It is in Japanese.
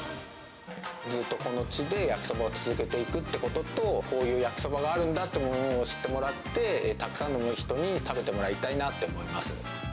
ずっとこの地で焼きそばを続けていくってことと、こういう焼きそばがあるんだというものを知ってもらって、たくさんの人に食べてもらいたいなって思います。